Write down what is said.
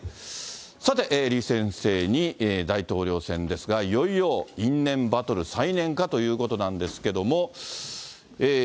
さて、李先生に、大統領選ですが、いよいよ因縁バトル再燃かということなんですけれども。